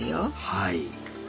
はい。